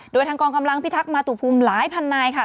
โดยทางกองกำลังพิทักษ์มาตุภูมิหลายพันนายค่ะ